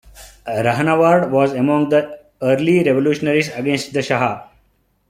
Rahnavard was among the early revolutionaries against the Shah.